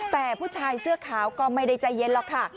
แต่ผู้ชายเสื้อขาวก็ไม่ได้ใจเย็นหรอกค่ะ